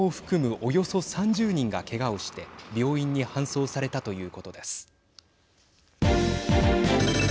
およそ３０人がけがをして病院に搬送されたということです。